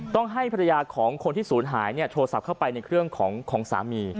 ต้องให้ภรรยาของคนที่ศูนย์หายโทรศัพท์เข้าไปในเครื่องของสามี